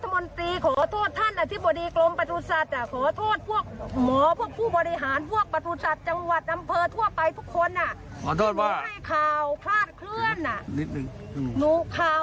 มันจะเหนือหนูก็แย่ประมาณนั้นนะ